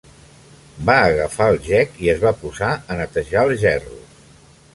Va agafar el gec i es va posar a netejar els gerros.